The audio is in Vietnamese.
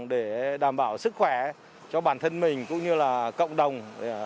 để đảm bảo sức khỏe cho bản thân mình cũng như là cộng đồng